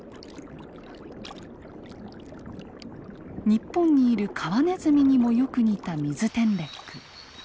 日本にいるカワネズミにもよく似たミズテンレック。